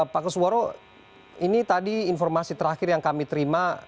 pak kusworo ini tadi informasi terakhir yang kami terima